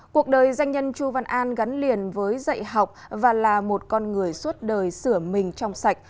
cuộc đời doanh nhân chu văn an gắn liền với dạy học và là một con người suốt đời sửa mình trong sạch